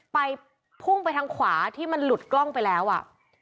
ไปพุ่งไปทางขวาที่มันหลุดกล้องไปแล้วอ่ะ